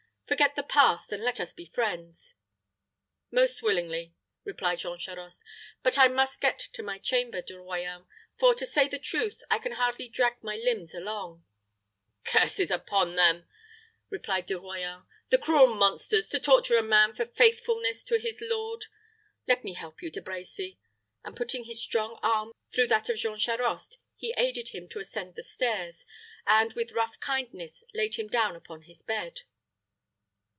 Forget the past, and let us be friends." "Most willingly," replied Jean Charost. "But I must get to my chamber, De Royans, for, to say the truth, I can hardly drag my limbs along." "Curses upon them!" replied De Royans "the cruel monsters, to torture a man for faithfulness to his lord! Let me help you, De Brecy." And, putting his strong arm through that of Jean Charost, he aided him to ascend the stairs, and with rough kindness laid him down upon his bed.